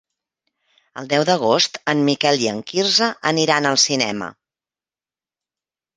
El deu d'agost en Miquel i en Quirze aniran al cinema.